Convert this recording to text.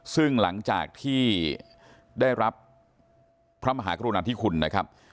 ซึ่งหลังจากที่ได้รับพระมหากรุณาธิคุณนะครับ